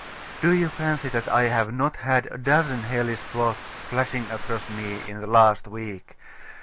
Do you fancy that I have not had a dozen hellish plots flashing across me in the last week?